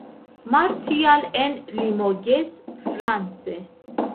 Martial en Limoges, France.